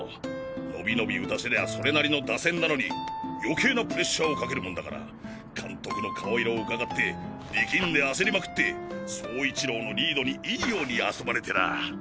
のびのび打たせりゃそれなりの打線なのに余計なプレッシャーをかけるもんだから監督の顔色うかがって力んで焦りまくって走一郎のリードにいいように遊ばれてらぁ。